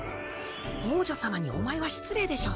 王女様に「お前」は失礼でしょ。